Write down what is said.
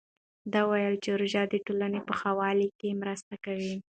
ده وویل چې روژه د ټولنې په ښه والي مرسته کوي.